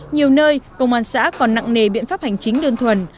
nhiều nơi công an xã còn nặng nề biện pháp hành chính đơn thuần